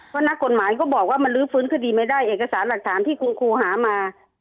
เพราะนักกฎหมายก็บอกว่ามันลื้อฟื้นคดีไม่ได้เอกสารหลักฐานที่คุณครูหามา